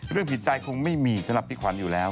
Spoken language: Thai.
ผิดใจคงไม่มีสำหรับพี่ขวัญอยู่แล้ว